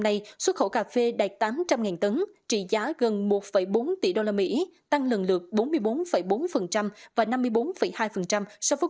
nay xuất khẩu cà phê đạt tám trăm linh tấn trị giá gần một bốn tỷ usd tăng lần lượt bốn mươi bốn bốn và năm mươi bốn hai so với